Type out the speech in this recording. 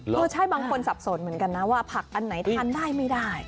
เออใช่บางคนสับสนเหมือนกันนะว่าผักอันไหนทานได้ไม่ได้